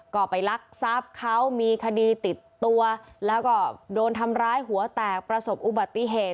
ก็ไปลักทรัพย์เขามีคดีติดตัวแล้วก็โดนทำร้ายหัวแตกประสบอุบัติเหตุ